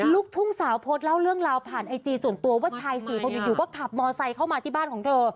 ลูกทุ่งสาวโพสต์เล่าเรื่องราวผ่านไอจีส่วนตัวว่าชายสี่คนอยู่ก็ขับมอไซค์เข้ามาที่บ้านของเธอ